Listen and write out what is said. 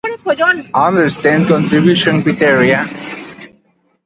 The messages often included impersonations of celebrities and local figures.